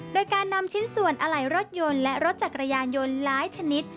โดยการนำชิ้นส่วนอะไหล่รถยนต์และรถจักรยานยนต์หลายชนิด